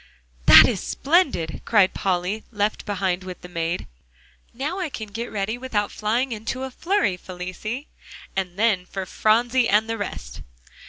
"That is splendid," cried Polly, left behind with the maid, "now I can get ready without flying into a flurry, Felicie; and then for Phronsie and the rest!"